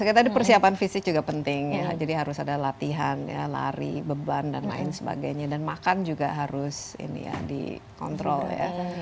oke tadi persiapan fisik juga penting ya jadi harus ada latihan ya lari beban dan lain sebagainya dan makan juga harus ini ya dikontrol ya